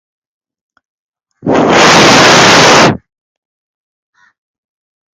Pia anatetea kuwepo uwakilishi sawa katika ofisi za umma